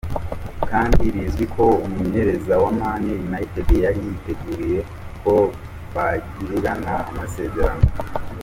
kandi bizwi ko umumenyereza wa Man United yari yiteguriye ko bagiriranira amasezerano.